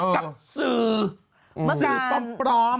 กับสื่อสื่อปลอม